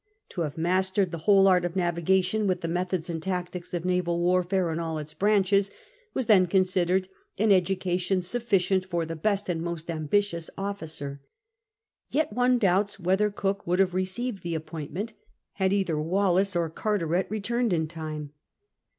To have mastered the 70 CAPTAIN COOK CHAP. whole art of navigation, with the methods and tactics of naval warfare in all its branches, was then considered an education sufficient for the best and most ambitious officer. Yet one doubts whether Cook would have received the appointment had either Wallis or Carteret returned in time.